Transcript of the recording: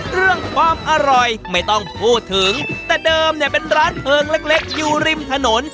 เรื่องความอร่อยไม่ต้องพูดถึงแต่เดิมเนี่ยเป็นร้านเพลิงเล็กอยู่ริมถนน